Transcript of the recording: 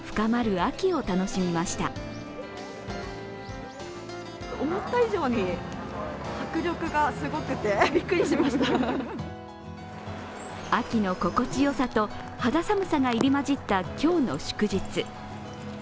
秋の心地よさと肌寒さが入りまじった今日の祝日。